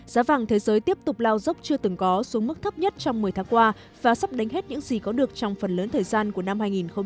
giá vàng thế giới tiếp tục lao dốc chưa từng có xuống mức thấp nhất trong một mươi tháng qua và sắp đến hết những gì có được trong phần lớn thời gian của năm hai nghìn hai mươi